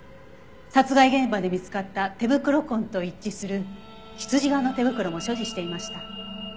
殺害現場で見つかった手袋痕と一致する羊革の手袋も所持していました。